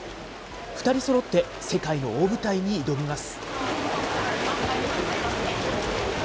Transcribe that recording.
２人そろって世界の大舞台に挑みます。